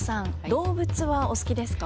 動物はお好きですか？